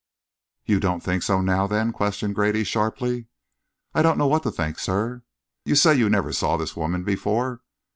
"You don't think so now, then?" questioned Grady, sharply. "I don't know what to think, sir." "You say you never saw the woman before?"